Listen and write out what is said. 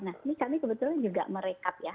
nah ini kami kebetulan juga merekap ya